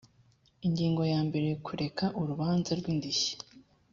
ingingo ya mbere kureka urubanza rw indishyi